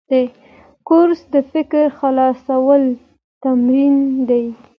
کورس د فکر خلاصولو تمرین دی.